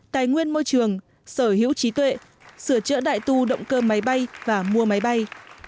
tài nguyên môi trường sở hữu trí tuệ sửa chữa đại tu động cơ máy bay và mua máy bay